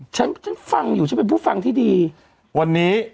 ฉันฉันฟังอยู่ฉันเป็นผู้ฟังที่ดีวันนี้